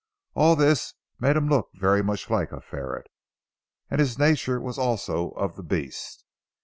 All this made him look very much like a ferret. And his nature was also of the beast.